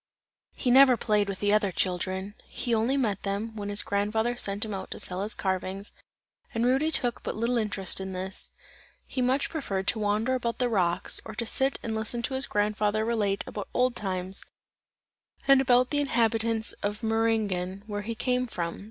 He never played with the other children; he only met them, when his grandfather sent him out to sell his carvings, and Rudy took but little interest in this; he much preferred to wander about the rocks, or to sit and listen to his grandfather relate about old times and about the inhabitants of Meiringen, where he came from.